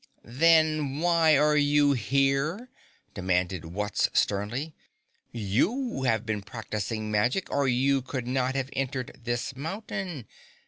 "Then why are you here?" demanded Wutz sternly. "YOU have been practicing magic or you could not have entered this mountain.